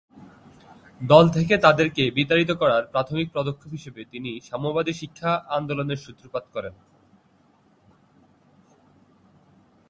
দল থেকে তাদেরকে বিতাড়িত করার প্রাথমিক পদক্ষেপ হিসেবে তিনি সাম্যবাদী শিক্ষা আন্দোলনের সূত্রপাত করেন।